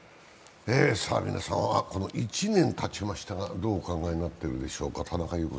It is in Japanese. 皆さんは、１年たちましたがどうお考えになってるでしょうか。